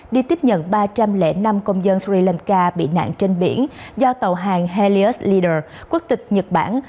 đi tiếp nhận ba trăm linh năm công dân sri lanka bị nạn trên biển do tàu hàng helius lider quốc tịch nhật bản